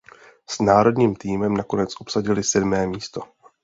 S národním týmem nakonec obsadili sedmé místo.